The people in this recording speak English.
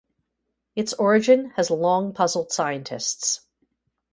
Its origin has long puzzled scientists.